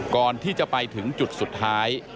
ก่อนที่จะไปถึงจุดสุดท้าย